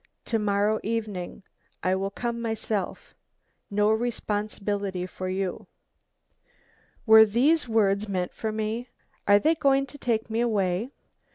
'To morrow evening I will come myself no responsibility for you.' Were these words meant for me? Are they going to take me away?